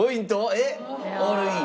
えっオールイン。